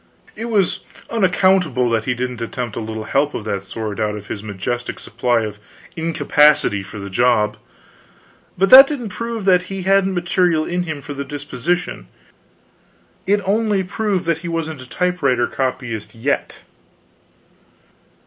It was unaccountable that he didn't attempt a little help of that sort out of his majestic supply of incapacity for the job. But that didn't prove that he hadn't material in him for the disposition, it only proved that he wasn't a typewriter copyist yet.